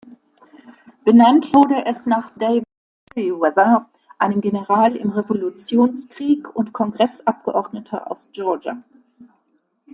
Benannt wurde es nach David Meriwether, einem General im Revolutionskrieg und Kongressabgeordneter aus Georgia.